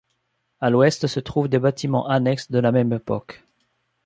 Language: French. À l'ouest se trouvent des bâtiments annexes de la même époque.